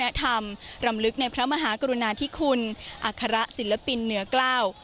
และธรรมรำลึกในพระมหากรุณาธิคุณอัคระศิลปินเหนือกล้า